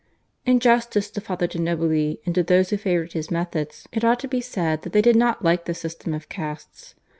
In justice to Father de' Nobili and to those who favoured his methods, it ought to be said that they did not like the system of castes.